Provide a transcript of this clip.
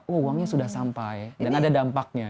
uangnya sudah sampai dan ada dampaknya